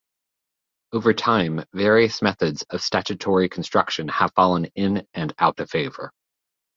Over time, various methods of statutory construction have fallen in and out of favor.